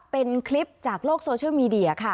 เป็นคลิปจากโลกโซเชียลมีเดียค่ะ